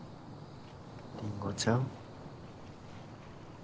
りんごちゃん